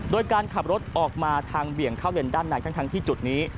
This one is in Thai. โดยการขับรถออกมาทางเบี่ยงเข้าเลนด้านในทั้งที่จุดนี้